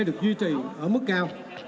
được duy trì ở mức cao